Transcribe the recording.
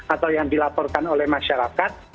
atau yang dilaporkan oleh masyarakat